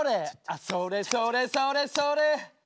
あっそれそれそれそれ！